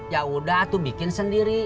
ya udah tuh bikin sendiri